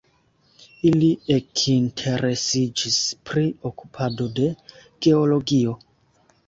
Ili ekinteresiĝis pri okupado de Georgio.